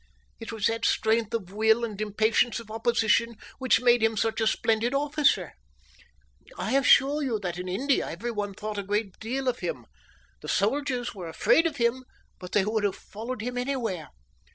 It was that strength of will and impatience of opposition which made him such a splendid officer. I assure you that in India every one thought a great deal of him. The soldiers were afraid of him, but they would have followed him anywhere."